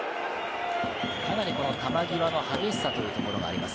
かなり球際の激しさというところがあります。